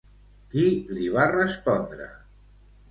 Qui li va respondre?